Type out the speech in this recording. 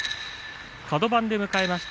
カド番で迎えました